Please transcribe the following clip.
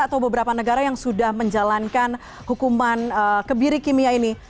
atau beberapa negara yang sudah menjalankan hukuman kebiri kimia ini